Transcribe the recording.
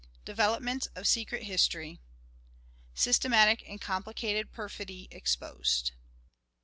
Developments of Secret History. Systematic and Complicated Perfidy exposed.